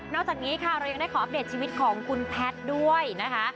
จากนี้ค่ะเรายังได้ขออัปเดตชีวิตของคุณแพทย์ด้วยนะคะ